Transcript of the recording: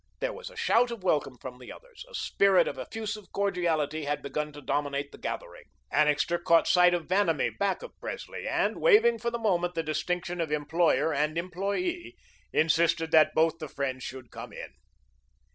There was a shout of welcome from the others. A spirit of effusive cordiality had begun to dominate the gathering. Annixter caught sight of Vanamee back of Presley, and waiving for the moment the distinction of employer and employee, insisted that both the friends should come in.